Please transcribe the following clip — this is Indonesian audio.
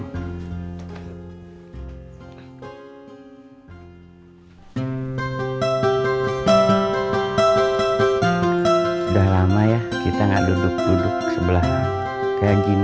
sudah lama ya kita gak duduk duduk sebelah kayak gini